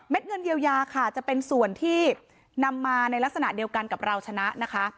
เงินเยียวยาค่ะจะเป็นส่วนที่นำมาในลักษณะเดียวกันกับเราชนะนะคะ